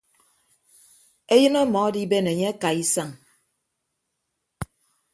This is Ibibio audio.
Eyịn ọmọ adiben enye akaaisañ.